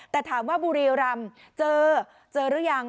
แต่ถามว่าบุรีรำเจอเจอหรือยัง